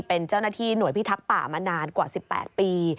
เป็นเจ้าหน้าที่หน่วยพิทักษ์ป่ามานานกว่า๑๘ปี